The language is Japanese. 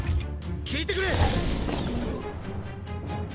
聞いてくれっ！